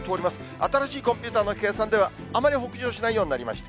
新しいコンピューターの計算では、あまり北上しないようになりました。